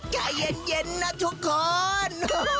ใจเย็นนะทุกคน